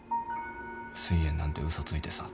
すい炎なんて嘘ついてさ。